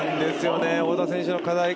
太田選手の課題。